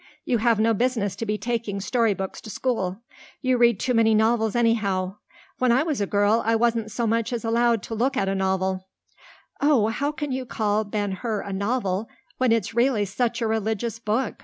You have no business to be taking storybooks to school. You read too many novels anyhow. When I was a girl I wasn't so much as allowed to look at a novel." "Oh, how can you call Ben Hur a novel when it's really such a religious book?"